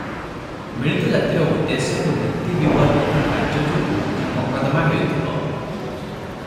ମିଳିତ ଜାତିର ଉଦ୍ଦେଶ୍ୟ ଓ ନୀତିବିବର୍ହିତ କାର୍ଯ୍ୟ ଯୋଗୁ ଯେଉଁ ମକଦ୍ଦମା ହେଉଥିବ ।